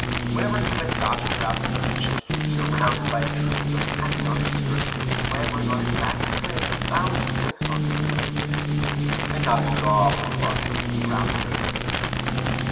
Whenever he went dodging about the village, he was surrounded by a troop of them, hanging on his skirts, clambering on his back, and playing a thousand tricks on him with impunity; and not a dog would bark at him throughout the neighborhood.